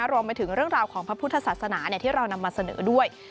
รวมไปถึงเรื่องราวของพระพุทธศาสนาที่เรานำมาเสนอด้วย